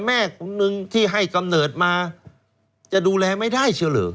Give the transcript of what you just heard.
แม่คนนึงที่ให้กำเนิดมาจะดูแลไม่ได้เชียวเหรอ